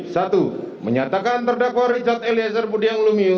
satu menyatakan terdakwa richard eliezer budiang lumiu